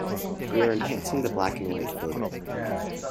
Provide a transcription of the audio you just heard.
We are enhancing the black and white photo.